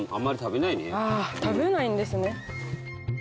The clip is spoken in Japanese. あ食べないんですね。